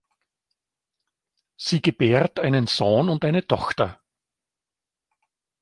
Sie gebärt einen Sohn und eine Tochter.